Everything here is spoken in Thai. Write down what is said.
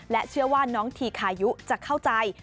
เชื่อว่าน้องทีคายุจะเข้าใจ